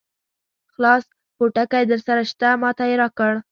خلاص پوټکی درسره شته؟ ما ته یې راکړ.